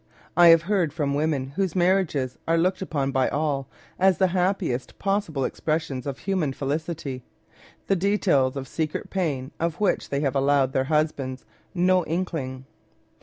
I have heard from women whose marriages are looked upon by all as the happiest possible expressions of human felicity, the details of secret pain of which they have allowed their husbands no inkling.